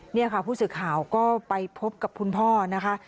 นี่ค่ะผู้สื่อข่าวก็ไปพบกับคุณพ่อนะคะ